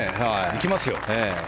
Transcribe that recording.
行きますよ！